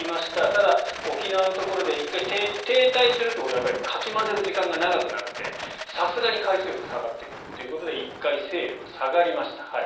ただ、沖縄のところで１回、停滞するということはかき混ぜる時間が長くなるのでさすがに海水温が下がってくるということで１回勢力が下がりました。